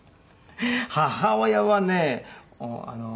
母親はね。